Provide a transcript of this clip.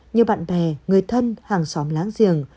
như bạn bè người thân hàng xóm láng giềng